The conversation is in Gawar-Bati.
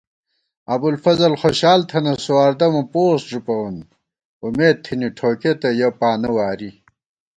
ابُوالفضل خوشال تھنہ سواردَمہ پوسٹ ݫُپَوون امېد تھنی ٹھوکېتہ یَہ پانہ واری